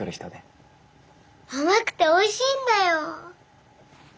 甘くておいしいんだよ。